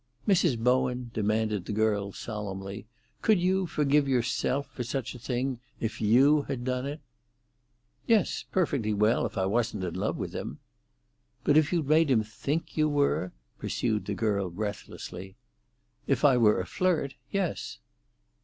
"Mrs. Bowen," demanded the girl solemnly, "could you forgive yourself for such a thing if you had done it?" "Yes, perfectly well, if I wasn't in love with him." "But if you'd made him think you were?" pursued the girl breathlessly. "If I were a flirt—yes."